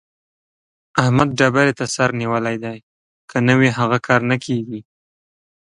احمد ډبرې ته سر نيولی دی؛ که نه وي هغه کار نه کېږي.